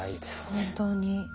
本当に。